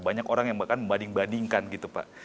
banyak orang yang bahkan membanding bandingkan gitu pak